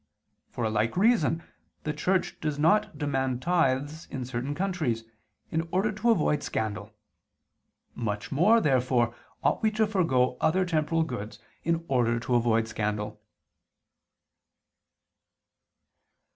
For a like reason the Church does not demand tithes in certain countries, in order to avoid scandal. Much more, therefore, ought we to forego other temporal goods in order to avoid scandal.